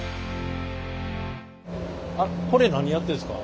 これ何やってるんですか？